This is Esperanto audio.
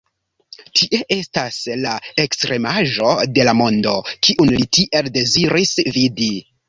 Tie estas la ekstremaĵo de la mondo, kiun li tiel deziris vidi.